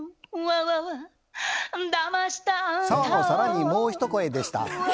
澤の「さらにもうひと声！」でした。